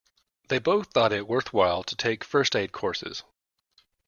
They both thought it worthwhile to take first aid courses.